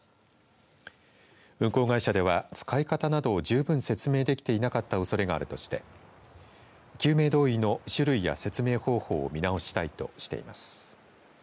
運航会社では使い方などをじゅうぶん説明できていなかったおそれがあるとして救命胴衣の種類や説明方法を見直したいとしています。